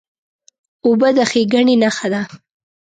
اوبه د ښېګڼې نښه ده.